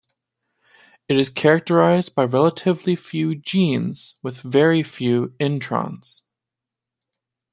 It is characterised by relatively few genes with very few introns.